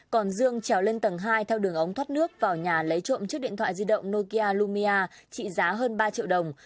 còn dương trèo lên tầng hai theo đường ống thoát nước vào nhà lấy trộm chiếc điện thoại di động nokia lumia trị giá hơn ba triệu đồng